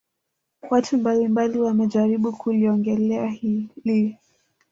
Watu mbali mbali wamejaribu kuliongelea hili